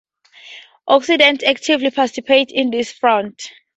Occident actively participated in this Front.